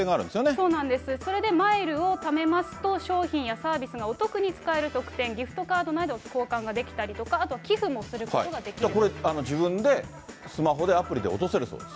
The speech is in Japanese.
そうなんです、それでマイルをためますと、商品やサービスがお得に使える特典、ギフトカードなどと交換ができたりとか、これ、自分でスマホでアプリで落とせるそうです。